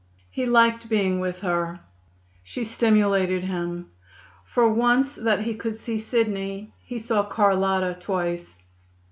He liked being with her. She stimulated him. For once that he could see Sidney, he saw Carlotta twice.